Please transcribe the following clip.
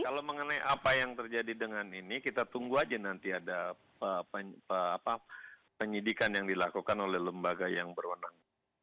kalau mengenai apa yang terjadi dengan ini kita tunggu aja nanti ada penyidikan yang dilakukan oleh lembaga yang berwenang